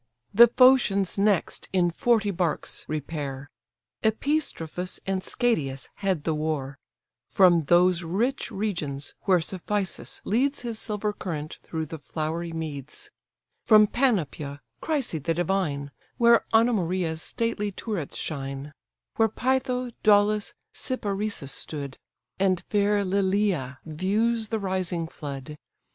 The Phocians next in forty barks repair; Epistrophus and Schedius head the war: From those rich regions where Cephisus leads His silver current through the flowery meads; From Panopëa, Chrysa the divine, Where Anemoria's stately turrets shine, Where Pytho, Daulis, Cyparissus stood, And fair Lilæ views the rising flood.